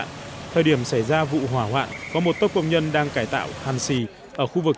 trong thời điểm xảy ra vụ hỏa hoạn có một tốc công nhân đang cải tạo hàn xì ở khu vực tầng một của khách sạn